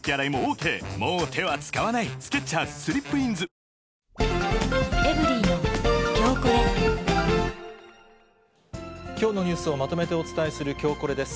オールインワンきょうのニュースをまとめてお伝えするきょうコレです。